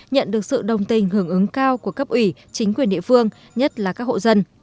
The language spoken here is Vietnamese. nhận được sự đồng tình hưởng ứng cao của cấp ủy chính quyền địa phương nhất là các hộ dân